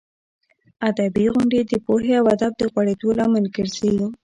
ادبي غونډې د پوهې او ادب د غوړېدو لامل ګرځي.